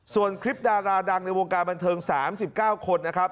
ส่วนคลิปดาราดังในวงการบันเทิงสามสิบเก้าคนนะครับ